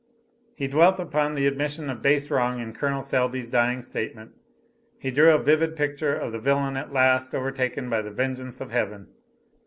He dwelt upon the admission of base wrong in Col. Selby's dying statement. He drew a vivid picture of the villain at last overtaken by the vengeance of Heaven.